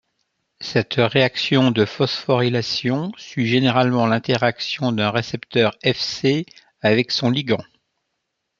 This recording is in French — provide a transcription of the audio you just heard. Cette réaction de phosphorylation suit généralement l'interaction d'un récepteur Fc avec son ligand.